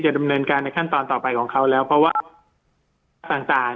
ดำเนินการในขั้นตอนต่อไปของเขาแล้วเพราะว่าต่างต่าง